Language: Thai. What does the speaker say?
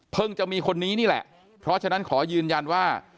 จะมีคนนี้นี่แหละเพราะฉะนั้นขอยืนยันว่า